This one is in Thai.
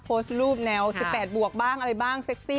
หรือชีวิตไม่มีอะไรให้รีวิว